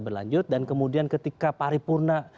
berlanjut dan kemudian ketika paripurna